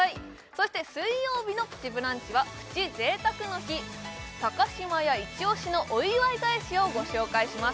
そして水曜日の「プチブランチ」はプチ贅沢の日島屋イチオシのお祝い返しをご紹介します